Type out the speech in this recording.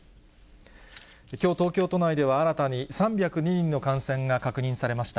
きょう東京都内では、新たに３０２人の感染が確認されました。